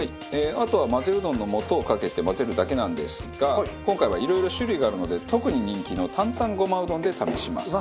あとはまぜうどんの素をかけて混ぜるだけなんですが今回はいろいろ種類があるので特に人気の担々ごまうどんで試します。